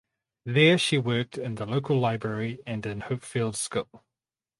There she worked in the local library and in Hopefield School.